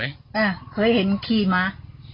อ่าเคยเห็นขี่มา